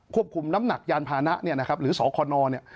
ควบคุมน้ำหนักยานพานะหรือสคเนี่ย